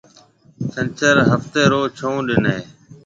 ڇنڇر هفتي رو ڇهون ڏن هيَ۔